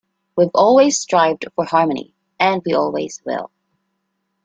We've always strived for harmony, and we always will.